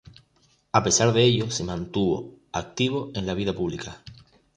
A pesar de ello, se mantuvo activo en la vida pública.